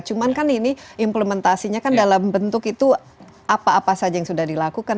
cuman kan ini implementasinya kan dalam bentuk itu apa apa saja yang sudah dilakukan